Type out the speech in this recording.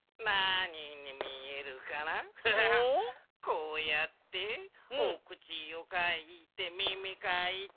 こうやっておくちをかいてみみかいて。